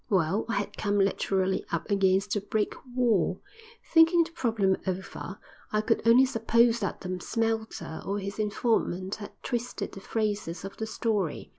Well, I had come literally up against a brick wall. Thinking the problem over, I could only suppose that the smelter or his informant had twisted the phrases of the story.